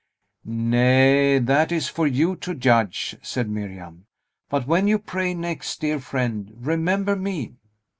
"Nay, that is for you to judge," said Miriam; "but when you pray next, dear friend, remember me!"